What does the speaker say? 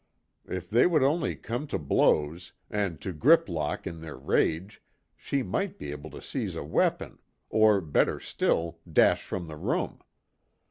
If they would only come to blows, and to grip lock in their rage, she might be able to seize a weapon, or better still dash from the room.